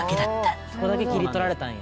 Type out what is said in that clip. そこだけ切り取られたんや。